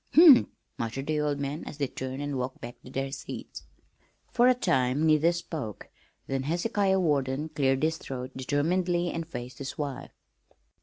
"Humph!" muttered the old man as they turned and walked back to their seats. For a time neither spoke, then Hezekiah Warden cleared his throat determinedly and faced his wife.